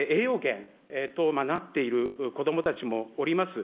給食が唯一の栄養源となっている子どもたちもおります。